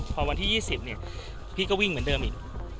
พอวันที่๒๐เนี่ยพี่ก็วิ่งเหมือนเดิมอีก